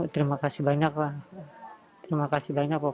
terima kasih banyak terima kasih banyak semuanya